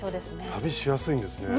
旅しやすいんですね。